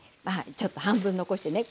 ちょっと半分残してね